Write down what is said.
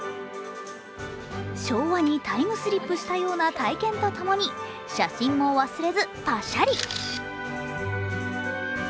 昭和にタイムスリップしたような体験とともに、写真も忘れずパシャリ。